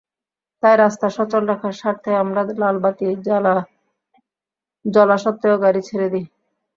তাই রাস্তা সচল রাখার স্বার্থে আমরা লালবাতি জ্বলা সত্ত্বেও গাড়ি ছেড়ে দিই।